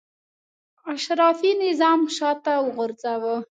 اشرافي نظام شاته وغورځاوه.